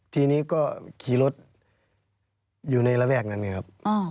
ทีนี้ก็ขี่รถอยู่ในระแวกนั้นไงครับ